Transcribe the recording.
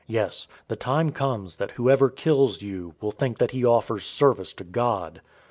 Yes, the time comes that whoever kills you will think that he offers service to God.